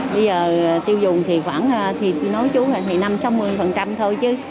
bây giờ tiêu dùng thì khoảng nói chú là thì năm sáu mươi thôi chứ